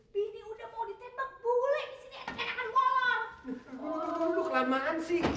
dulu dulu dulu kelamaan sih